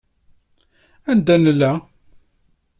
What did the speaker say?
Anda nella?